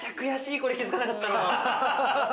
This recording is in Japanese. これ気づかなかったの。